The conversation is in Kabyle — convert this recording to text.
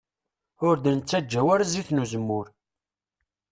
Ur d-nettaǧew ara zzit n uzemmur.